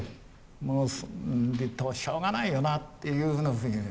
もうしょうがないよなっていうふうに。